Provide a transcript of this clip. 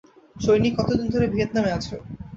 সৈনিক, কতদিন ধরে ভিয়েতনামে আছো?